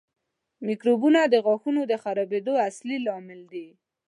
میکروبونه د غاښونو د خرابېدو اصلي لامل دي.